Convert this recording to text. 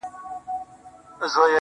سر مي بلند دی~